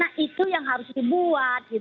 nah itu yang harus dibuat